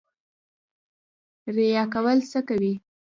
ریا کول څه کوي؟